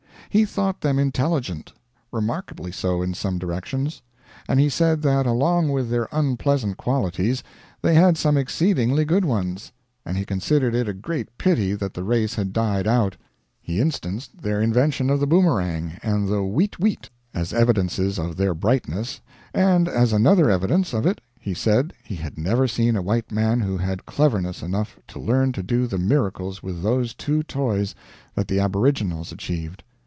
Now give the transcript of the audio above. He thought them intelligent remarkably so in some directions and he said that along with their unpleasant qualities they had some exceedingly good ones; and he considered it a great pity that the race had died out. He instanced their invention of the boomerang and the "weet weet" as evidences of their brightness; and as another evidence of it he said he had never seen a white man who had cleverness enough to learn to do the miracles with those two toys that the aboriginals achieved.